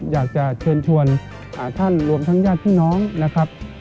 อยากจะเชิญชวนท่านรวมทั้งญาติพี่น้องนะครับ